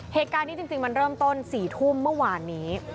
เหตุการณ์นี้จริงมันเริ่มต้น๔ทุ่มเมื่อวานนี้